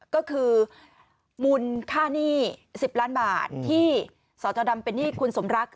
ก็คือมูลค่าหนี้๑๐ล้านบาทที่สจดำเป็นหนี้คุณสมรัก